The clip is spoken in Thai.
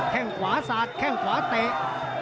แค่งขวาสาดแข้งขวาเตะ